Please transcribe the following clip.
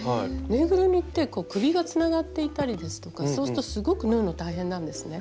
ぬいぐるみって首がつながっていたりですとかそうするとすごく縫うの大変なんですね。